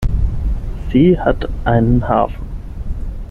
Sie hat einen Hafen.